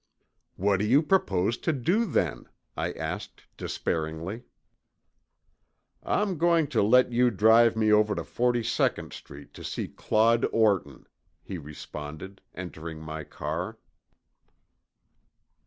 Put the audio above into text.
"What do you propose to do then?" I asked despairingly. "I'm going to let you drive me over to Forty second Street to see Claude Orton," he responded, entering my car.